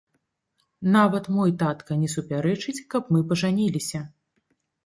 Нават мой татка не супярэчыць, каб мы пажаніліся.